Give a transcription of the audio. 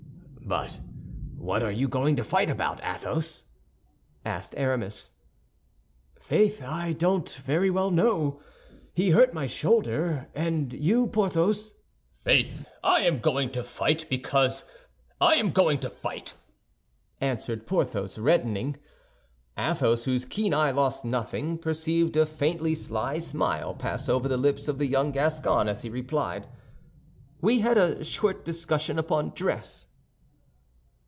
"But what are you going to fight about, Athos?" asked Aramis. "Faith! I don't very well know. He hurt my shoulder. And you, Porthos?" "Faith! I am going to fight—because I am going to fight," answered Porthos, reddening. Athos, whose keen eye lost nothing, perceived a faintly sly smile pass over the lips of the young Gascon as he replied, "We had a short discussion upon dress."